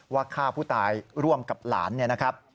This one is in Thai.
ฆ่าผู้ตายร่วมกับหลานเนี่ยนะครับ